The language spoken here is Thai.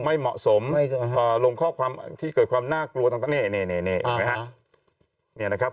ไม่เหมาะสมลงข้อความที่เกิดความน่ากลัวต่างนี่เห็นไหมครับ